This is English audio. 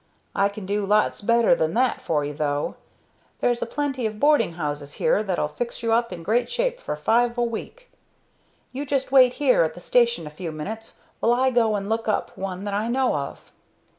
I can do lots better than that for you, though. There's a plenty of boarding houses here that'll fix you up in great shape for five a week. You just wait here at the station a few minutes while I go and look up one that I know of."